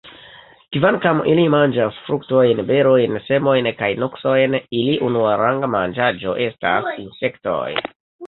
Kvankam ili manĝas fruktojn, berojn, semojn kaj nuksojn, ili unuaranga manĝaĵo estas insektoj.